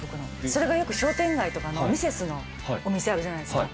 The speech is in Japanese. それがよく、商店街とかのミセスのお店あるじゃないですか。